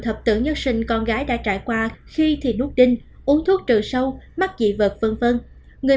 hại nhất sinh con gái đã trải qua khi thì nuốt đinh uống thuốc trừ sâu mắc dị vật vân vân người